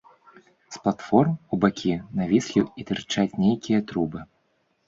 З платформ у бакі навіслі і тырчаць нейкія трубы.